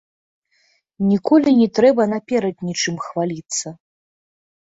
Ніколі не трэба наперад нічым хваліцца.